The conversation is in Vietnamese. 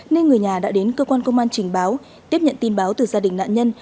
nên người nhà đã đến cơ quan công an trình báo tiếp nhận tin báo từ gia đình nạn nhân